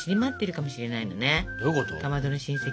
かまどの親戚。